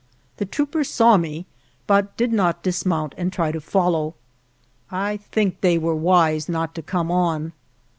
The troopers saw me, but did not dismount and try to follow. I think they were wise not to come on.